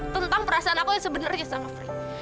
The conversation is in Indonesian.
tentang perasaan aku yang sebenarnya sama fri